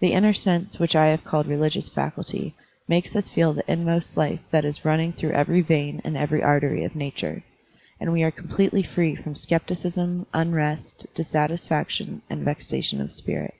The inner sense which I have called religious faculty makes us feel the inmost life that is running through every vein and every artery of nature; and we are completely free from skepticism, tmrest, dissatisfaction, and vexation of spirit.